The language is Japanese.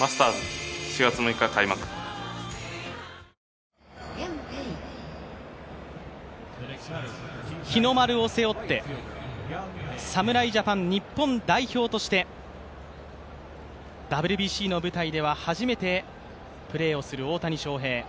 ゾンビ臭に新「アタック抗菌ＥＸ」日の丸を背負って侍ジャパン、日本代表としてＷＢＣの舞台では初めてプレーをする大谷翔平。